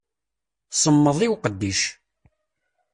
Semmed i uqeddic.